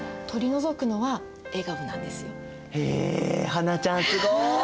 英ちゃんすごい！